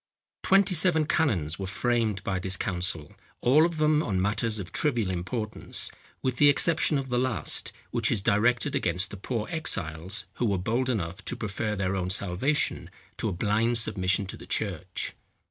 Twenty seven canons were framed by this council; all of them on matters of trivial importance with the exception of the last, which is directed against the poor exiles who were bold enough to prefer their own salvation to a blind submission to the church.